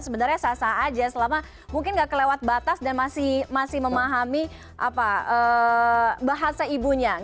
sebenarnya sasa aja selama mungkin tidak kelewat batas dan masih memahami bahasa ibunya